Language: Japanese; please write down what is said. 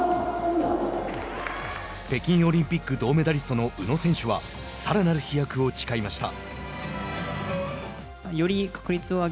北京オリンピック銅メダリストの宇野選手はさらなる飛躍を誓いました。